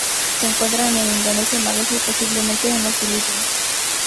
Se encuentra en Indonesia, Malasia, y posiblemente en las Filipinas.